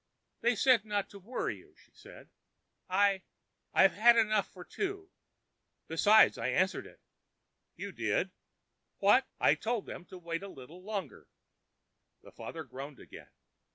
"They said not to worry you," she said. "I—I've had enough for two. Besides, I answered it." "You did! What——?" "I told them to wait a little longer." The father groaned again.